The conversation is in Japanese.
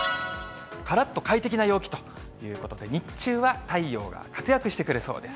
からっと快適な陽気ということで、日中は太陽が活躍してくれそうです。